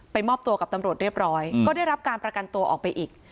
มอบตัวกับตำรวจเรียบร้อยก็ได้รับการประกันตัวออกไปอีก